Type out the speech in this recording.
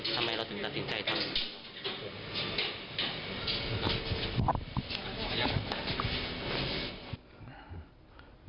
ทำไมเราถึงตัดสินใจทำ